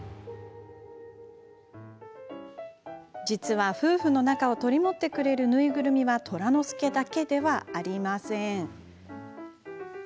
実は、夫婦の仲を取り持ってくれるぬいぐるみはとらのすけだけではありません。